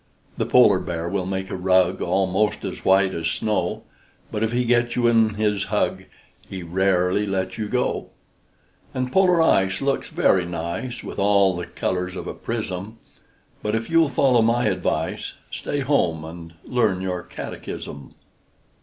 The polar bear will make a rug Almost as white as snow; But if he gets you in his hug, He rarely lets you go. And Polar ice looks very nice, With all the colors of a pris sum; But, if you'll follow my advice, Stay home and learn your catechis sum.